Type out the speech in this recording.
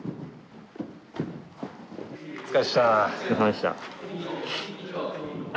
お疲れさまでした。